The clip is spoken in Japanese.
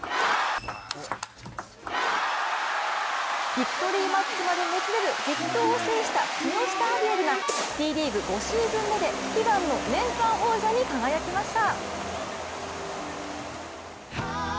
ビクトリーマッチまでもつれる激闘を制した木下アビエルがＴリーグ５シーズン目で悲願の年間王者に輝きました。